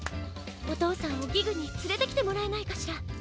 おとうさんをギグにつれてきてもらえないかしら？